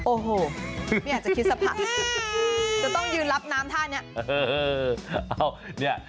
โอ้โหไม่อยากจะคิดสัมผัสจะต้องยืนรับน้ำท่านี้